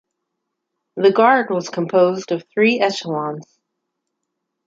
The Guard was composed of three echelons.